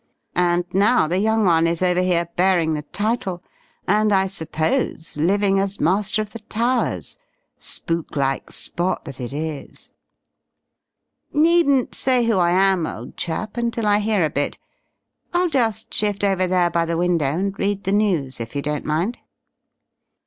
And now the young one is over here, bearing the title, and I suppose living as master of the Towers spooklike spot that it is! Needn't say who I am, old chap, until I hear a bit. I'll just shift over there by the window and read the news, if you don't mind."